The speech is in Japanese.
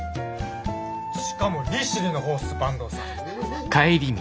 しかも利尻のほうっす坂東さん。